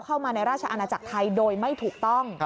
เข้ามาในราชอาณาจักรไทยโดยไม่ถูกต้อง